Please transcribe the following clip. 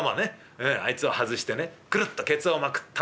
あいつを外してねクルッとケツをまくったんだよ。